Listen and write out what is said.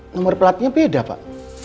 nomor platnya beda pak